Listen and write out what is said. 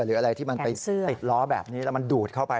หรืออะไรที่มันไปติดล้อแบบนี้แล้วมันดูดเข้าไป